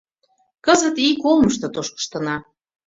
Кызыт ик олмышто тошкыштына.